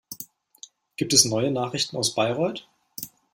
Gibt es neue Nachrichten aus Bayreuth?